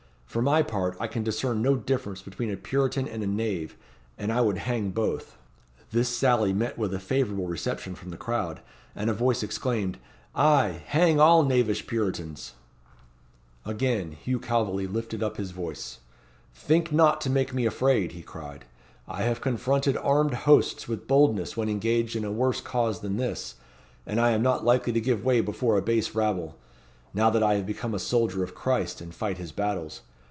"For my part I can discern no difference between a Puritan and a knave, and I would hang both." This sally met with a favourable reception from the crowd, and a voice exclaimed "Ay, hang all knavish Puritans." Again Hugh Calveley lifted up his voice. "Think not to make me afraid," he cried; "I have confronted armed hosts with boldness when engaged in a worse cause than this, and I am not likely to give way before a base rabble, now that I have become a soldier of Christ and fight his battles.